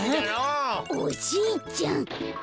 おじいちゃん。